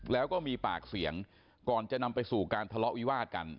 แล้วก็มีปากเสียงก่อนจะนำไปสู่การทะเลาะวิวาดกัน